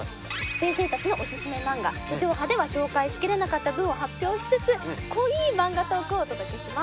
先生たちのおすすめ漫画地上波では紹介しきれなかった分を発表しつつ濃い漫画トークをお届けします。